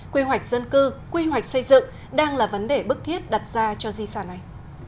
quy hoạch dân cư quy hoạch xây dựng đang là vấn đề bức thiết đặt ra cho di sản này